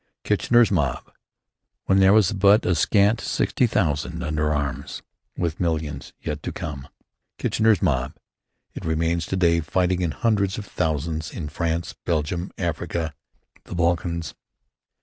"Kitchener's Mob," when there was but a scant sixty thousand under arms with millions yet to come. "Kitchener's Mob" it remains to day, fighting in hundreds of thousands in France, Belgium, Africa, the Balkans.